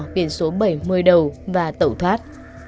viện số bảy mươi đầu và tẩu thoát